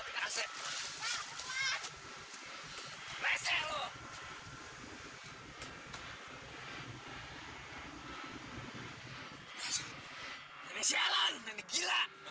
biarin aja bertahan